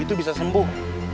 itu bisa sembuh